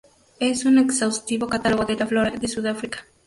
Es un exhaustivo catálogo de la flora de Sudáfrica.